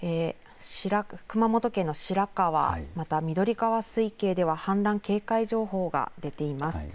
熊本県の白川、また緑川水系では氾濫警戒情報が出ています。